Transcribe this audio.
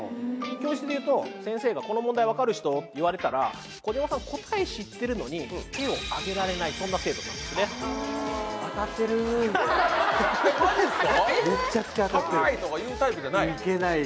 教室で言うと先生が「この問題分かる人」と言われたら児嶋さん答え知ってるのに手を挙げられないそんな生徒さんですえっマジっすか？